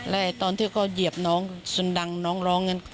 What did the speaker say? แล้วตอนที่เขาเหยียบน้องจนดังน้องร้องกัน